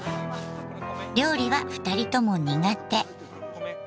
料理は二人とも苦手。